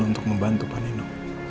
untuk membantu penino